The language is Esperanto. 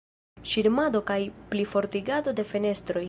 Ŝirmado kaj plifortigado de fenestroj.